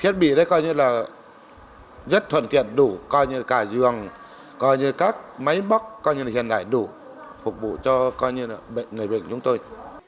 thiết bị đấy coi như là rất thuận kiện đủ coi như là cả giường coi như là các máy bóc coi như là hiện đại đủ phục vụ cho coi như là người bệnh của chúng tôi